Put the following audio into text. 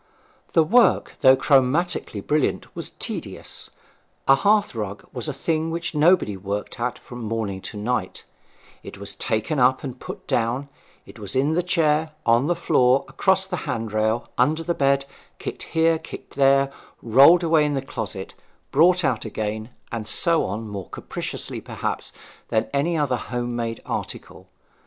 The work, though chromatically brilliant, was tedious: a hearth rug was a thing which nobody worked at from morning to night; it was taken up and put down; it was in the chair, on the floor, across the hand rail, under the bed, kicked here, kicked there, rolled away in the closet, brought out again, and so on more capriciously perhaps than any other home made article.